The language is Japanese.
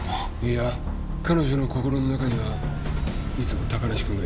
いや彼女の心の中にはいつも高梨くんがいるよ。